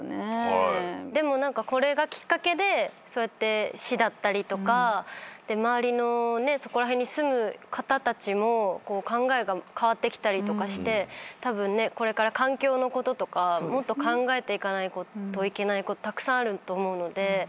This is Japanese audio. でもこれがきっかけで市だったりとか周りのそこら辺に住む方たちも考えが変わってきたりしてたぶんこれから環境のこととかもっと考えていかないといけないことたくさんあると思うので。